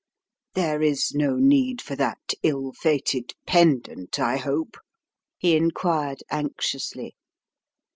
"There is no need for that ill fated pendant, I hope?" he inquired anxiously.